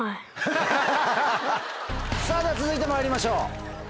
では続いてまいりましょう。